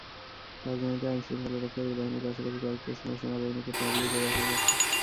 রাজধানীতে আইনশৃঙ্খলা রক্ষাকারী বাহিনীর পাশাপাশি কয়েকটি স্থানে সেনাবাহিনীকে টহল দিতে দেখা গেছে।